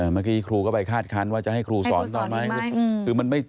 เมื่อกี้ครูก็ไปคาดคันว่าจะให้ครูสอนต่อไหม